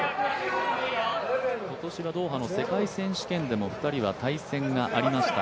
今年はドーハの世界選手権でも２人は対戦がありました。